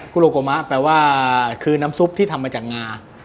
ุโลโกมะแปลว่าคือน้ำซุปที่ทำมาจากงา